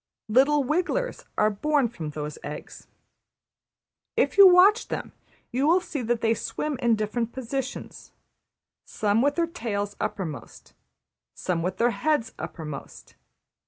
Little wigglers are born from those eggs. If you watch them you will see that they swim in different positions, some with their tails uppermost, some with their heads uppermost.